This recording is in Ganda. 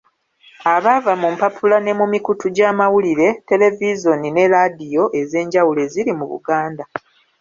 Abaava mu mpapula ne mu mikutu gy’amawulire, televizoni ne laadiyo ez’enjawulo eziri mu Buganda.